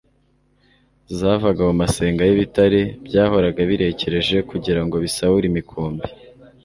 zavaga mu masenga y'ibitare byahoraga birekereje kugira ngo bisahure imikumbi.